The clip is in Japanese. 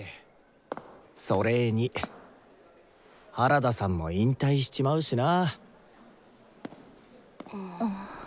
それに原田さんも引退しちまうしな。